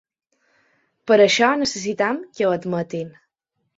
Per això necessitem que ho admetin.